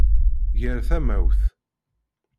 Ger tamawt.